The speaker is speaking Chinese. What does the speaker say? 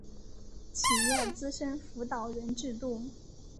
企业资深辅导人制度